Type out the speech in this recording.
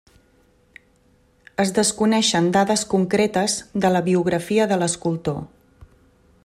Es desconeixen dades concretes de la biografia de l'escultor.